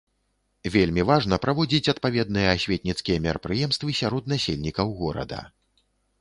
Вельмі важна праводзіць адпаведныя асветніцкія мерапрыемствы сярод насельнікаў горада.